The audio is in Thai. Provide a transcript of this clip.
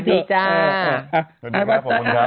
ดีจ้า